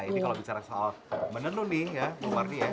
ini kalau bicara soal menenun nih ya marni ya